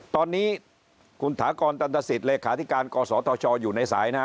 ตอนนี้คุณฐตศเลขาธิการกศธชอยู่ในสายนะ